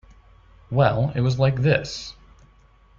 Well, it was like this.